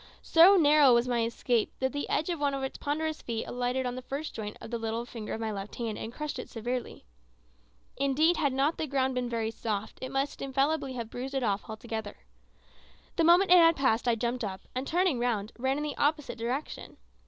So narrow was my escape that the edge of one of its ponderous feet alighted on the first joint of the little finger of my left hand, and crushed it severely. Indeed, had the ground not been very soft, it must infallibly have bruised it off altogether. The moment it had passed I jumped up, and turning round, ran in the opposite direction.